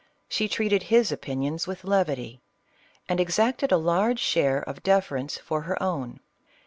She treated his opinions with levity, and exacted a large share of deference for her own.